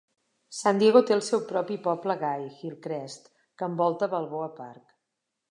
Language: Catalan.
San Diego té el seu propi poble gai, Hillcrest, que envolta Balboa Park.